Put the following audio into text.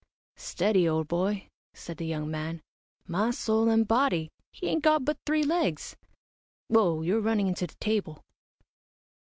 "Steady, old boy," said the young man; "my soul and body, he ain't got but three legs! Whoa you're running into the table."